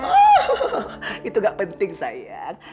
oh itu gak penting sayang